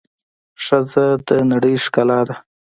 ښځه د د نړۍ ښکلا ده.